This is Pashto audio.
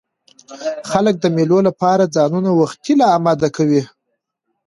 خلک د مېلو له پاره ځانونه وختي لا اماده کوي.